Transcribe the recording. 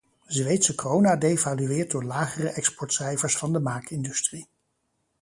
Zweedse krona devalueert door lagere exportcijfers van de maakindustrie.